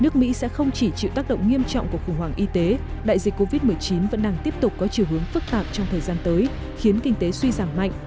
tại dịch covid một mươi chín vẫn đang tiếp tục có chiều hướng phức tạp trong thời gian tới khiến kinh tế suy giảng mạnh